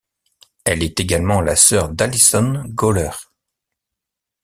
Elle est également la sœur d'Allison Göhler.